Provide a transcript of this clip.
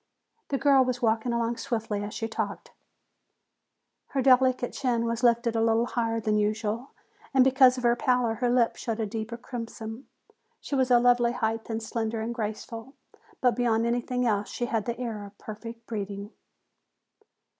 The girl was walking along swiftly as she talked. Her delicate chin was lifted a little higher than usual and because of her pallor her lips showed a deeper crimson. She was a lovely height and slender and graceful, but beyond everything else she had the air of perfect breeding.